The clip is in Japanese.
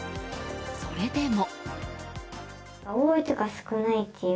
それでも。